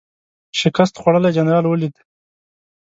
شکست خوړلی جنرال ولید.